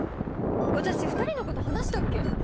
私２人のこと話したっけ？